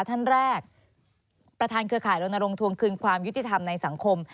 ท่านแรกประธานเครือข่ายรณรงค์ทวงคืนความยุติธรรมในสังคม